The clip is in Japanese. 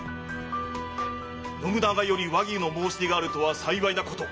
信長より和議の申し出があるとは幸いなこと。